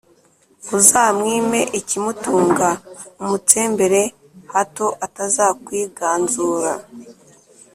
Uzamwime ikimutunga, umutsembere, hato atazakwiganzura,